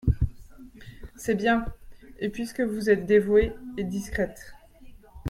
C’est bien, et, puisque vous êtes dévouée… et discrète…